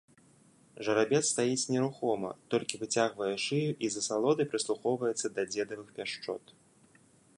Жарабец стаіць нерухома, толькі выцягвае шыю і з асалодай прыслухоўваецца да дзедавых пяшчот.